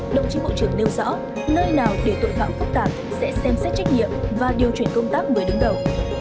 đồng chí bộ trưởng nêu rõ nơi nào để tội phạm phức tạp sẽ xem xét trách nhiệm và điều chuyển công tác mới đứng đầu